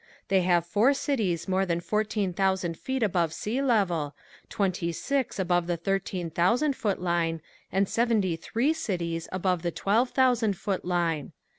They have four cities more than fourteen thousand feet above sea level, twenty six above the thirteen thousand foot line, and seventy three cities above the twelve thousand foot line.